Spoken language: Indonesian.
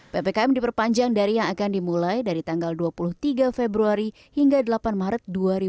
ppkm diperpanjang dari yang akan dimulai dari tanggal dua puluh tiga februari hingga delapan maret dua ribu dua puluh